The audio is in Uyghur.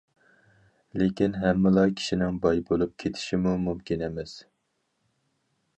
لېكىن ھەممىلا كىشىنىڭ باي بولۇپ كېتىشىمۇ مۇمكىن ئەمەس.